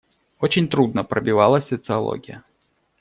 Очень трудно пробивалась социология.